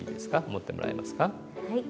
持ってもらえますか？